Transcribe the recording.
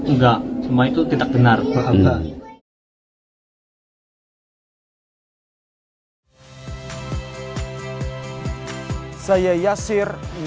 enggak cuma itu tidak benar